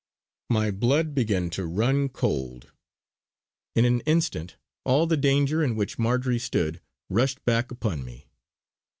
My blood began to run cold. In an instant all the danger in which Marjory stood rushed back upon me.